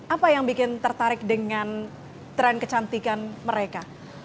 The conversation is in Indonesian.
apa yang bikin tertarik dengan tren kecantikan mereka